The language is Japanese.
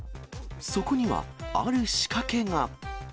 そこには、ある仕掛けが。